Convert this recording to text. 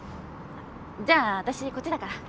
じゃあ私こっちだから。